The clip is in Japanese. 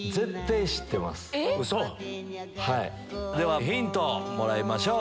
ウソ⁉ヒントもらいましょう。